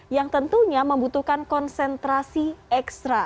yang tentunya membutuhkan konsentrasi ekstra